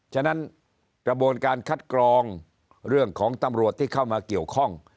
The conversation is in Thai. ฉะนั้นกระบวนการคัดกรองเรื่องของตำรวจที่เข้ามาเกี่ยวข้อง